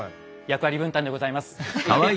役割分担でございます。